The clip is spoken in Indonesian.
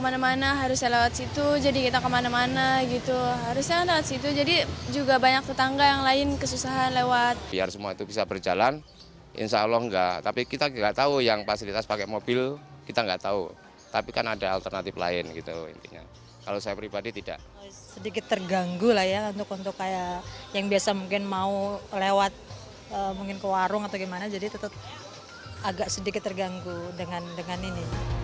mungkin mau lewat ke warung atau gimana jadi tetap agak sedikit terganggu dengan ini